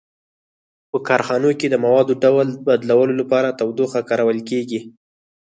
په کارخانو کې د موادو ډول بدلولو لپاره تودوخه کارول کیږي.